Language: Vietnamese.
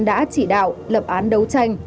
đã chỉ đạo lập án đấu tranh